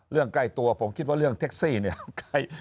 เรื่องใกล้ตัวผมคิดว่าเรื่องเท็กซี่